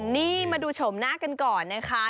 นี่มาดูโฉมหน้ากันก่อนนะคะ